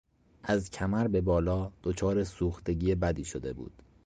از کمر به بالا دچار سوختگی بدی شده بود.